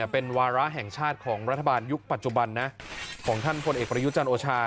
เป็นวาระแห่งชาติของรัฐบาลยุคปัจจุบันนะของท่านพลเอกประยุจันทร์โอชา